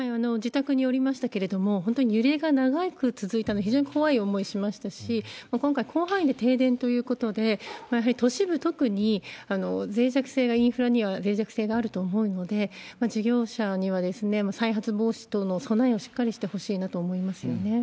自宅におりましたけれども、本当に揺れが長く続いたの、非常に怖い思いをしましたし、今回、広範囲で停電ということで、やはり都市部、特にぜい弱性がインフラには、ぜい弱性があると思うので、事業者には再発防止等の備えをしっかりしてほしいなと思いますよ